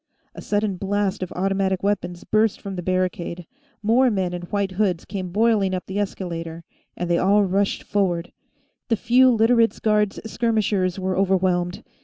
A sudden blast of automatic weapons burst from the barricade; more men in white hoods came boiling up the escalator, and they all rushed forward. The few Literates' guards skirmishers were overwhelmed.